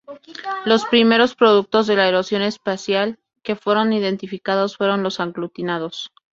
Los primeros productos de la erosión espacial que fueron identificados fueron los aglutinados.